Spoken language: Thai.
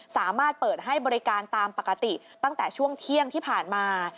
สามารถเปิดให้บริการตามปกติตั้งแต่ช่วงเที่ยงที่ผ่านมา